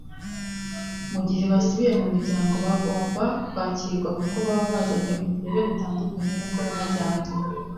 Mu gihe basubiye mu miryango bagomba kwakirwa kuko baba bazanye uburere butandukanye n’ubwo bajyanye